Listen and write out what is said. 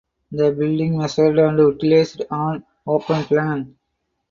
The building measured and utilized an open plan.